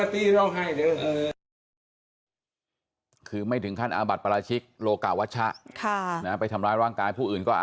เพิ่งนี้แหละครั้งแรก